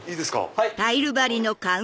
はい。